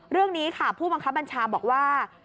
เรื่องนี้ค่ะผู้บังคับบัญชาบอกว่า